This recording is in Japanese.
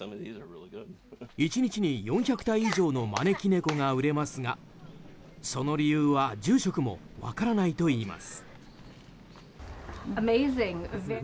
１日に４００体以上の招き猫が売れますがその理由は住職も分からないといいます。